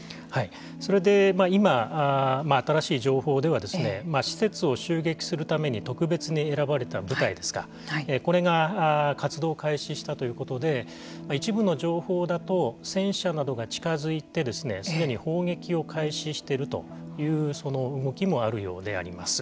それで今新しい情報では施設を襲撃するために特別に選ばれた部隊ですかこれが活動を開始したということで一部の情報だと戦車などが近づいてすでに砲撃を開始しているという動きもあるようであります。